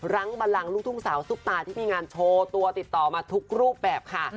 ังบันลังลูกทุ่งสาวซุปตาที่มีงานโชว์ตัวติดต่อมาทุกรูปแบบค่ะ